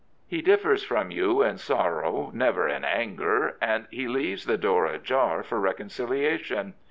He differs from you in sorrow, never in anger, and he leaves the door ajar for reconciliation.